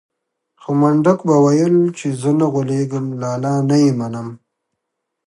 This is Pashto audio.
خو منډک به ويل چې زه نه غولېږم لالا نه يې منم.